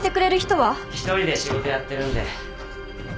１人で仕事やってるんで。